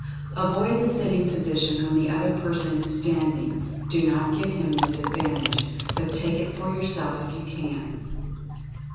Avoid the sitting position when the other person is standing — do not give him this advantage, but take it yourself if you can.